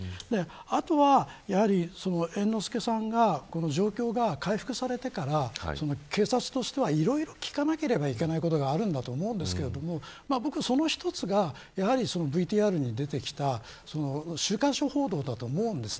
あとは、猿之助さんが状況が回復されてから警察としてはいろいろ聞かなければいけないことがあるんだと思うんですけどその一つがやはりＶＴＲにも出てきた週刊誌報道だと思います。